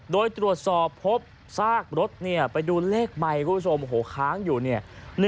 โดยตรวจสอบพบซากรถเนี่ยไปดูเลขไมค์คุณผู้ชมโอ้โหค้างอยู่เนี่ย